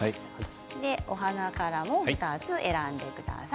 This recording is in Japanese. お花からも選んでください